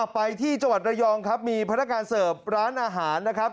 ไปที่จังหวัดระยองครับมีพนักงานเสิร์ฟร้านอาหารนะครับ